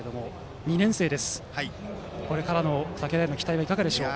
２年生ですが、これからの竹田への期待はいかがでしょう。